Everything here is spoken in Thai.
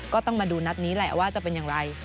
ก็ต้องมาดูนัดนี้แหละว่าจะเป็นอย่างไร